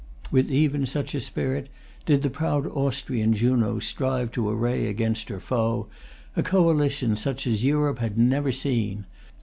With even such a spirit did the proud Austrian Juno strive to array against her foe a coalition such as Europe had never seen.